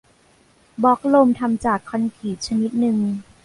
บล็อกลมทำจากคอนกรีตชนิดหนึ่ง